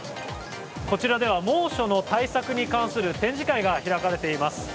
こちらでは猛暑の対策に関する展示会が開かれています。